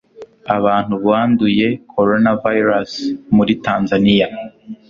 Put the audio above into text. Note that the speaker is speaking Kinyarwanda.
abantu banduye coronavirus muri Tanzania